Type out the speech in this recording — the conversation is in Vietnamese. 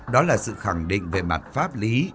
đó là sự khẳng định về mặt pháp lý